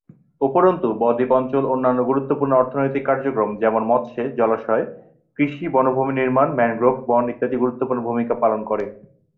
উপরন্তু বদ্বীপ অঞ্চল অন্যান্য গুরুত্বপূর্ণ অর্থনৈতিক কার্যক্রম যেমন মৎস্য, জলাশয়, কৃষি, বনভূমি নির্মাণ, ম্যানগ্রোভ বন ইত্যাদি গুরুত্বপূর্ণ ভূমিকা পালন করে।